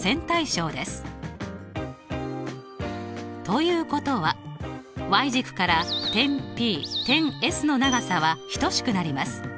ということは軸から点Ｐ点Ｓの長さは等しくなります。